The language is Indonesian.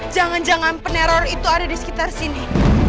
jangan jangan peneror itu ada di sekitar sini